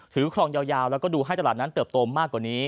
ครองยาวแล้วก็ดูให้ตลาดนั้นเติบโตมากกว่านี้